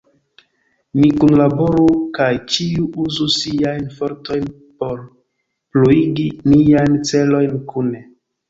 Ni kunlaboru kaj ĉiu uzu siajn fortojn por pluigi niajn celojn kune.